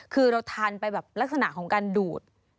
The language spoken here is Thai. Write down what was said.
คือเราทานไปแบบลักษณะของการดูด